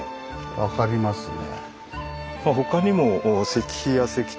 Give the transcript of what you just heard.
分かりますね。